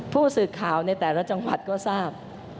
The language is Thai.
ผู้สื่อข่าวในแต่ละจังหวัดก็ทราบ